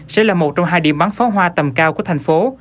sẽ là một trong hai điểm bắn pháo hoa tầm cao của thành phố